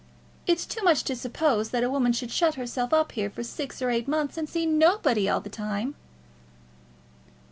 It's too much to suppose that a woman should shut herself up here for six or eight months and see nobody all the time."